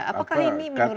apakah ini menurut anda